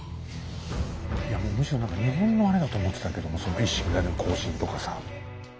いやもうむしろ何か日本のあれだと思ってたけどもその一糸乱れぬ行進とかさ。